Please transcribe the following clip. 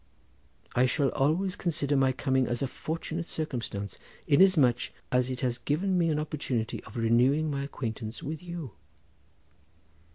I shall always consider my coming as a fortunate circumstance inasmuch as it has given me an opportunity of renewing my acquaintance with you."